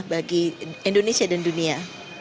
bagi indonesia dan dunia